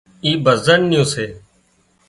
اي ڀزنان نيون سي